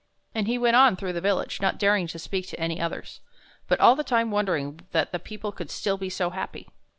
And he went on through the village, not daring to speak to any others, but all the time wondering that the people could still be so happy.